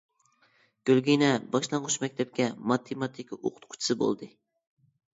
گۈلگىنە باشلانغۇچ مەكتەپكە ماتېماتىكا ئوقۇتقۇچىسى بولدى.